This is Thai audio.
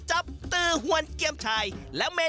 โรงโต้งคืออะไร